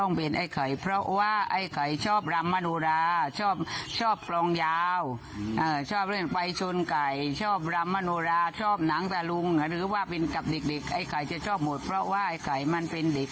นี่คือไอ้ไข่เข้าสิงห์เด็กแน่นอน